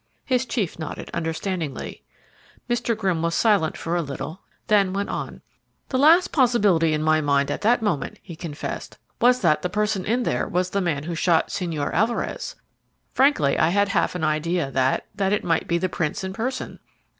His chief nodded, understandingly. Mr. Grimm was silent for a little, then went on: "The last possibility in my mind at that moment," he confessed, "was that the person in there was the man who shot Señor Alvarez. Frankly I had half an idea that that it might be the prince in person."